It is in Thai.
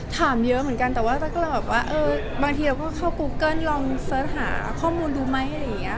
ถามเยอะเหมือนกันแต่ว่าบางทีเราก็เข้ากูเกิลลองเสิร์ชหาข้อมูลดูไหม